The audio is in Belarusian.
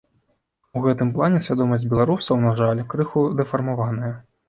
У гэтым плане свядомасць беларусаў, на жаль, крыху дэфармаваная.